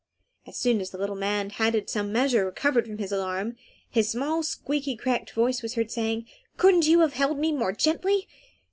As soon as the little man had in some measure recovered from his alarm, his small, squeaky, cracked voice was heard saying, "Couldn't you have held me more gently?